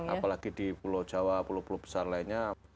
apalagi di pulau jawa pulau pulau besar lainnya